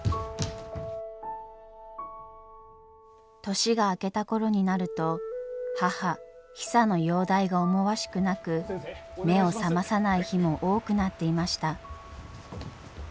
年が明けた頃になると母ヒサの容体が思わしくなく目を覚まさない日も多くなっていました。